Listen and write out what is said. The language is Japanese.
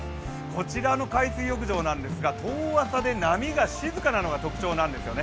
こちらの海水浴場なんですが、遠浅で波が静かなのが特徴なんですよね。